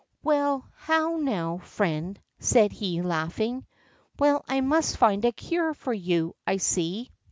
"Why, how now, friend," said he, laughing: "well, I must find a cure for you, I see."